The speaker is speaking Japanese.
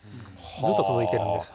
ずっと続いているんです。